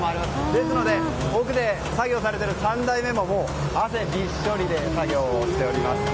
ですので奥で作業されている３代目も汗びっしょりで作業をしております。